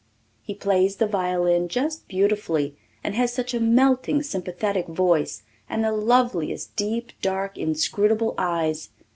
He plays the violin just beautifully and has such a melting, sympathetic voice and the loveliest deep, dark, inscrutable eyes.